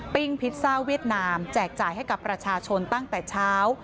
พิซซ่าเวียดนามแจกจ่ายให้กับประชาชนตั้งแต่เช้า